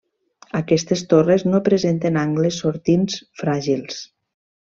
Aquestes torres no presenten angles sortints fràgils.